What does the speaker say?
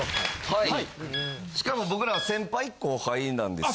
はいしかも僕らは先輩後輩なんですよ。